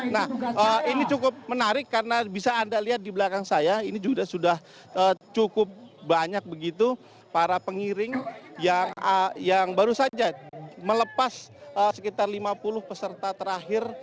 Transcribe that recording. nah ini cukup menarik karena bisa anda lihat di belakang saya ini juga sudah cukup banyak begitu para pengiring yang baru saja melepas sekitar lima puluh peserta terakhir